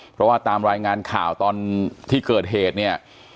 เพราะว่าตามรายงานข่าวตอนที่เกิดเหตุเนี่ย